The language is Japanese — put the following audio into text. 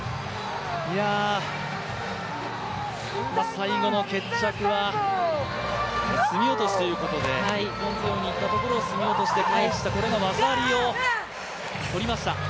最後の決着は、隅落ということで一本背負いにいったところを隅落で返した、これが技ありを取りました。